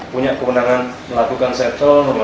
punya kewenangan melakukan settlement